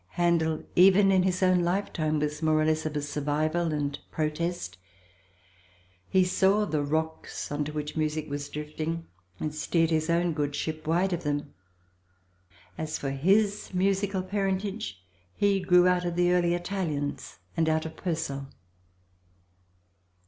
Handel even in his own lifetime was more or less of a survival and protest; he saw the rocks on to which music was drifting and steered his own good ship wide of them; as for his musical parentage, he grew out of the early Italians and out of Purcell.